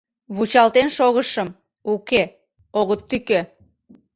Вучалтен шогышым — уке, огыт тӱкӧ.